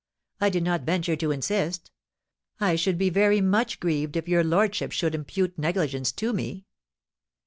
I did not venture to insist. I should be very much grieved if your lordship should impute negligence to me."